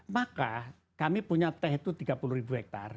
maka kami punya teh itu tiga puluh ribu hektare